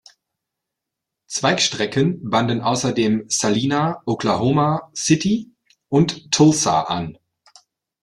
Zweigstrecken banden außerdem Salina, Oklahoma City und Tulsa an.